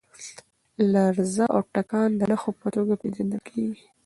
لرزه او تکان د نښو په توګه پېژندل کېږي.